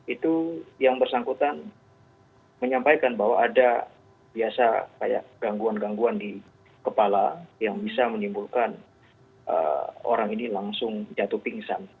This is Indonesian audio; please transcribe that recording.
itu yang bersangkutan menyampaikan bahwa ada biasa kayak gangguan gangguan di kepala yang bisa menimbulkan orang ini langsung jatuh pingsan